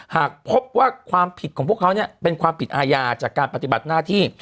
หากพบว่าความผิดของพวกเขาเป็นความผิดอาญาจากการปฏิบัติหน้าที่